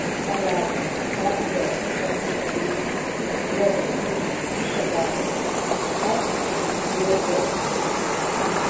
parada, papo reto, tatu, xerife, jega, jumbo, fita dada, rato de mocó